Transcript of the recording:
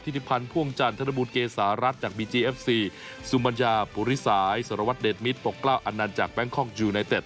ธิริพันธ์พ่วงจันทนบูลเกษารัฐจากบีจีเอฟซีสุมัญญาปุริสายสารวัตรเดชมิตรปกเกล้าอันนันต์จากแบงคอกยูไนเต็ด